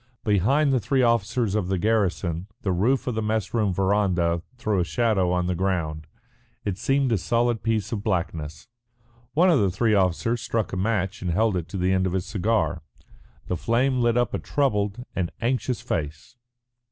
Behind the three officers of the garrison the roof of the mess room verandah threw a shadow on the ground; it seemed a solid piece of blackness. One of the three officers struck a match and held it to the end of his cigar. The flame lit up a troubled and anxious face.